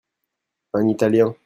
Un Italien.